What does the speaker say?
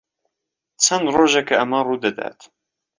چەند ڕۆژێکە ئەمە ڕوو دەدات.